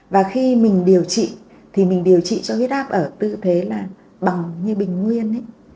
và khi mình điều trị thì mình điều trị cho huyết áp ở tư thế là bằng như bình nguyên